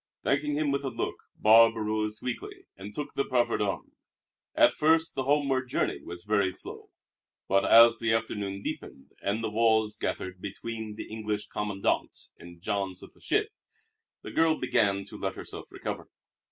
Thanking him with a look, Barbe arose weakly and took the proffered arm. At first the homeward journey was very slow; but as the afternoon deepened, and the miles gathered between the English commandant and Jean's little ship, the girl began to let herself recover.